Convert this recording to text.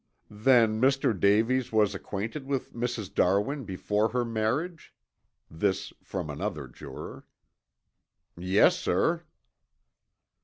"Then Mr. Davies was acquainted with Mrs. Darwin before her marriage?" This from another juror. "Yes, sir."